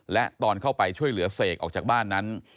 และตอนเข้าไปช่วยเหลือเสกออกจากบ้านนั้น